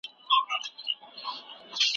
د جګړې پلان باید د عقل پر بنسټ وي.